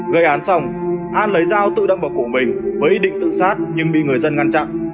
gây án xong an lấy dao tự đâm vào cổ mình với ý định tự sát nhưng bị người dân ngăn chặn